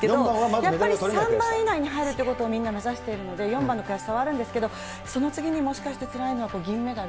やはり３番以内に入るっていうことをみんな目指しでいるので、４番の差はあるんですけど、その次にもしかして、つらいのは銀メダル。